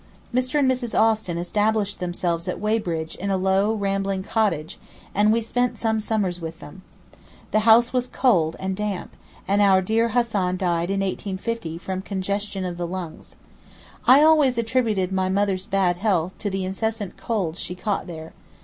Mr. and Mrs. Austin established themselves at Weybridge in a low, rambling cottage, and we spent some summers with them. The house was cold and damp, and our dear Hassan died in 1850 from congestion of the lungs. I always attributed my mother's bad health to the incessant colds she caught there.